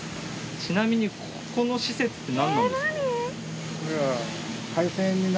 ちなみにここの施設って何なんですか？